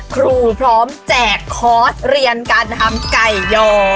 ครูพร้อมแจกคอร์สเรียนการทำไก่ยอ